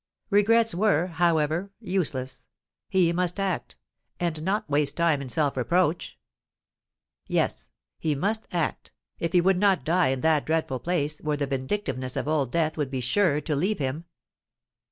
Regrets were, however, useless:—he must act—and not waste time in self reproach! Yes: he must act—if he would not die in that dreadful place, where the vindictiveness of Old Death would be sure to leave him!